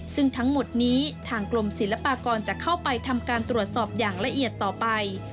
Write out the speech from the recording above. ซึ่งทั้งหมดนี้ทางกรมศิลปากรจะเข้าไปทำการตรวจสอบอย่างละเอียดต่อไป